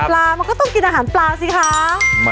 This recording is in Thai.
มันก็ต้องกินอาหารปลาสิคะ